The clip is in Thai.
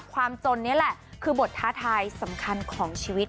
ความจนนี่แหละคือบทท้าทายสำคัญของชีวิต